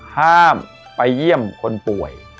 ห้ามไปเยี่ยมคนป่วย